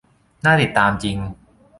น่าติดตามจริง